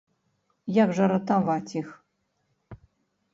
Як жа ратаваць іх?